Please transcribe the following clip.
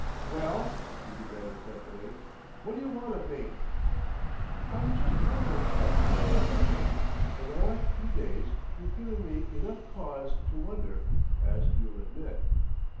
"Well?" he demanded testily. "What d'you want of me?" "I was just wondering at you, Calendar. In the last few days you've given me enough cause to wonder, as you'll admit."